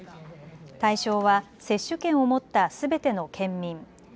対象は接種券を持ったすべての県民。